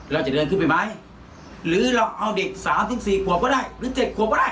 เราจะเดินขึ้นไปไหมหรือเราเอาเด็ก๓๔ขวบก็ได้หรือ๗ขวบก็ได้